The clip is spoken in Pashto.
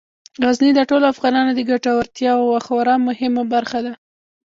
غزني د ټولو افغانانو د ګټورتیا یوه خورا مهمه برخه ده.